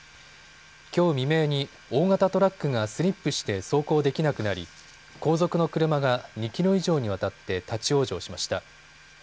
きょう未明に大型トラックがスリップして走行できなくなり後続の車が２キロ以上にわたって立往生しました。